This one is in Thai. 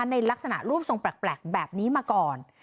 ในลักษณะรูปทรงแปลกแบบนี้มาก่อน